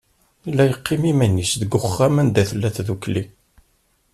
Yella yeqqim iman-is deg uxxam anda tella tdukkli.